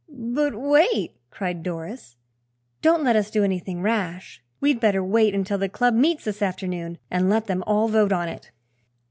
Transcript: "But wait!" cried Doris; "don't let us do anything rash. We'd better wait until the Club meets this afternoon and let them all vote on it."